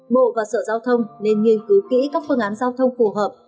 bộ và sở giao thông nên nghiên cứu kỹ các phương án giao thông phù hợp